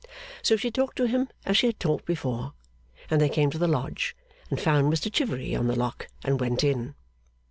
So she talked to him as she had talked before, and they came to the Lodge and found Mr Chivery on the lock, and went in.